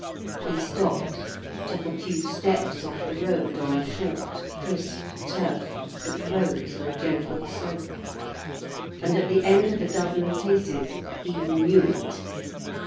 He stopped, took a few steps off the road on short, crisp turf that rose in a gentle slope. And at the end of a dozen paces he knew it.